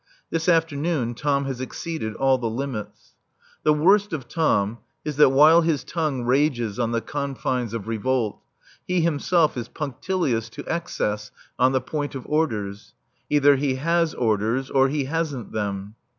This afternoon Tom has exceeded all the limits. The worst of Tom is that while his tongue rages on the confines of revolt, he himself is punctilious to excess on the point of orders. Either he has orders or he hasn't them.